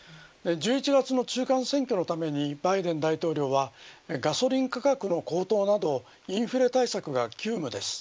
１１月の中間選挙のためにバイデン大統領はガソリン価格の高騰などインフレ対策が急務です。